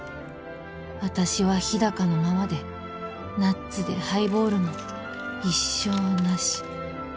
私は日高のままでナッツでハイボールも一生ナシ